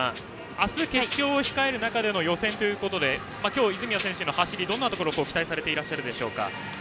明日、決勝を控える中で予選ということで今日、泉谷選手の走りどんなところに期待されていますか。